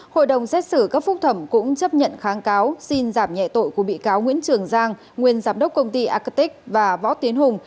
hội đồng xét xử cấp phúc thẩm cũng chấp nhận kháng cáo xin giảm nhẹ tội của bị cáo nguyễn trường giang nguyên giám đốc công ty acate và võ tiến hùng